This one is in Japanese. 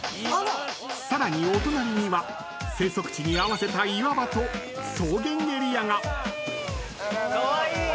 ［さらにお隣には生息地に合わせた岩場と草原エリアが］・カワイイ！